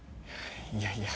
いやいや。